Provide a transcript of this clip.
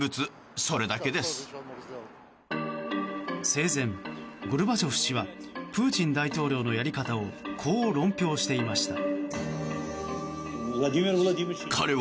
生前、ゴルバチョフ氏はプーチン大統領のやり方をこう論評していました。